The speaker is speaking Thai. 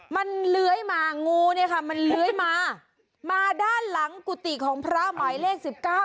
มันเลื้อยมางูเนี่ยค่ะมันเลื้อยมามาด้านหลังกุฏิของพระหมายเลขสิบเก้า